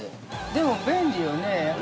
でも便利よね。